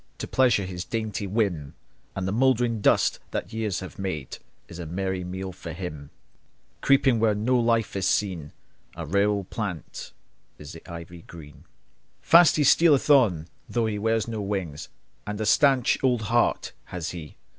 To pleasure his dainty whim; And the mouldering dust that years have made Is a merry meal for him. Creeping where no life is seen, A rare old plant is the ivy green. Fast he stealeth on, though he wears no wings, And a staunch old heart has he!